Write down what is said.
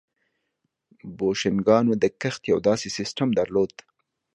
بوشنګانو د کښت یو داسې سیستم درلود